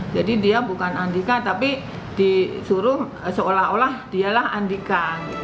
jadi dia bukan andika tapi disuruh seolah olah dialah andika